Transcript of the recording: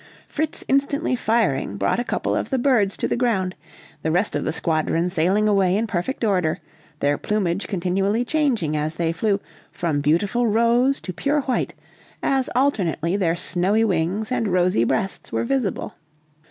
Fritz, instantly firing, brought a couple of the birds to the ground, the rest of the squadron sailing away in perfect order, their plumage continually changing, as they flew, from beautiful rose to pure white, as alternately their snowy wings and rosy breasts were visible.